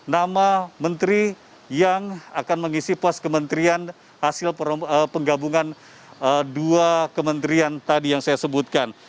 nama menteri yang akan mengisi pos kementerian hasil penggabungan dua kementerian tadi yang saya sebutkan